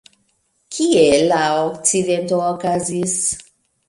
Kie la akcidento okazis?